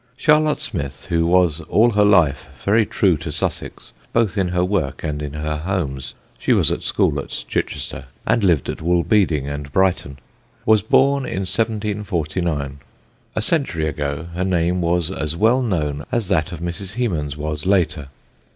Charlotte Smith, who was all her life very true to Sussex both in her work and in her homes she was at school at Chichester, and lived at Woolbeding and Brighton was born in 1749. A century ago her name was as well known as that of Mrs. Hemans was later.